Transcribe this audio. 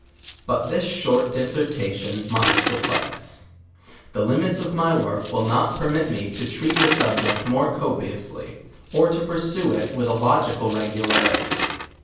But this short discretion must suffice; the limits of my work will not permit me to tre^.t the subject moie copiously, or to pursue it with a logical regularity.